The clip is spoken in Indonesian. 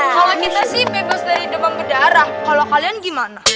kalau kita sih bebas dari demam berdarah kalau kalian gimana